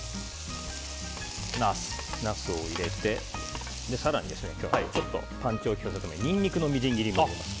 ナスを入れて更に今日はパンチを利かせるためにニンニクのみじん切りも入れます。